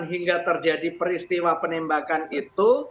hingga terjadi peristiwa penembakan itu